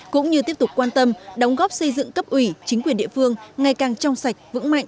cũng như tiếp tục quan tâm đóng góp xây dựng cấp ủy chính quyền địa phương ngày càng trong sạch vững mạnh